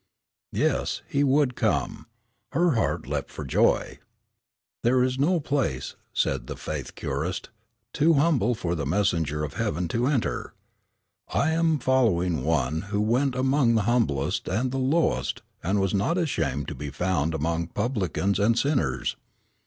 Yes, he would come. Her heart leaped for joy. "There is no place," said the faith curist, "too humble for the messenger of heaven to enter. I am following One who went among the humblest and the lowliest, and was not ashamed to be found among publicans and sinners.